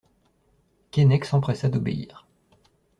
Keinec s'empressa d'obéir.